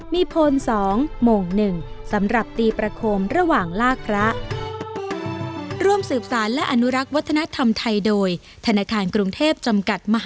มีพล๒โมง๑สำหรับตีประโคมระหว่างลากพระ